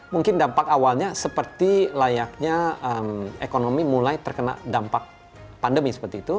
mungkin dampak awalnya seperti layaknya ekonomi mulai terkena dampak pandemi seperti itu